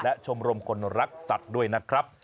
และชมรมคนรักสัตว์ด้วยนะครับ